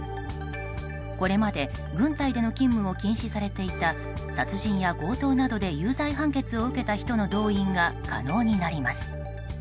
これまで軍隊での勤務を禁止されていた殺人や強盗などで有罪判決を受けた人の動員が可能になります。